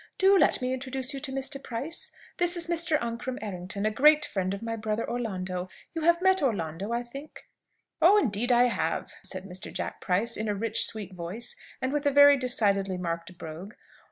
"Do let me introduce you to Mr. Price. This is Mr. Ancram Errington, a great friend of my brother Orlando. You have met Orlando, I think?" "Oh, indeed, I have!" said Mr. Jack Price, in a rich sweet voice, and with a very decidedly marked brogue.